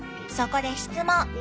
そこで質問。